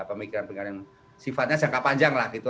pemikiran pemikiran yang sifatnya jangka panjang lah gitu